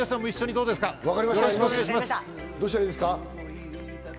どうしたらいいですか？